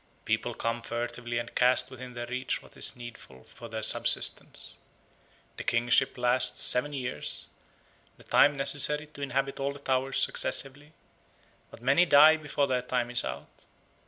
People come furtively and cast within their reach what is needful for their subsistence. The kingship lasts seven years, the time necessary to inhabit all the towers successively; but many die before their time is out.